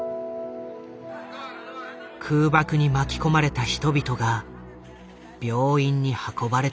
空爆に巻き込まれた人々が病院に運ばれてきた。